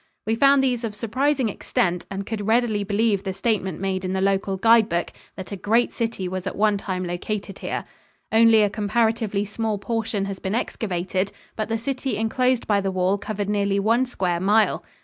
We found these of surprising extent and could readily believe the statement made in the local guide book that a great city was at one time located here. Only a comparatively small portion has been excavated, but the city enclosed by the wall covered nearly one square mile.